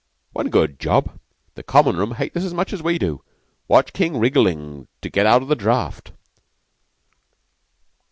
"One good job the Common room hate this as much as we do. Watch King wrigglin' to get out of the draft."